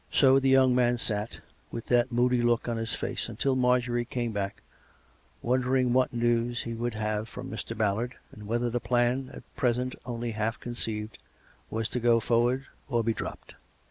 So the young man sat, with that moody look on his face, until Marjorie came back, wondering what news he would have from Mr. Ballard, and whether the plan, at present only half conceived, was to go forward or be dropped.